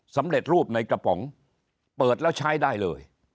สำเร็จรูปในกระป๋องเปิดแล้วใช้ได้เลย